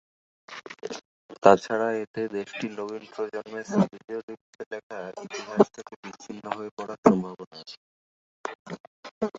তাছাড়া এতে দেশটির নবীন প্রজন্মের সিরিলীয় লিপিতে লেখা ইতিহাস থেকে বিচ্ছিন্ন হয়ে পড়ার সম্ভাবনা আছে।